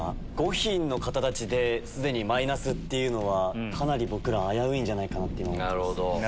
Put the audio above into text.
５品の方たちで既にマイナスっていうのはかなり僕ら危ういんじゃないかと思ってます。